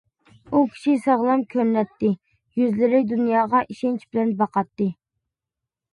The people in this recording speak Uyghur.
بۇ كىشى ساغلام كۆرۈنەتتى، يۈزلىرى دۇنياغا ئىشەنچ بىلەن باقاتتى.